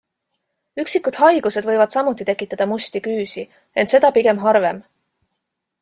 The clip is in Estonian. Üksikud haigused võivad samuti tekitada musti küüsi, ent seda pigem harvem.